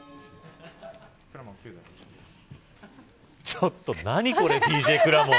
ちょっと何これＤＪくらもん。